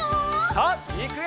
さあいくよ！